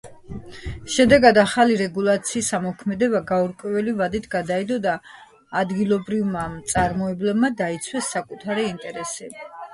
შედეგად, ახალი რეგულაციის ამოქმედება გაურკვეველი ვადით გადაიდო და ადგილობრივმა მწარმოებლებმა დაიცვეს საკუთარი ინტერესები.